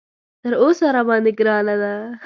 تر اوسه راباندې ګرانه ده.